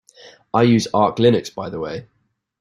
I use Arch Linux by the way.